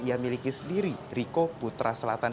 ia miliki sendiri riko putra selatan